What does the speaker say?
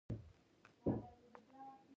ميرانشاه سخت غيرتي خلق لري.